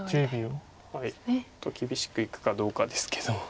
もっと厳しくいくかどうかですけど。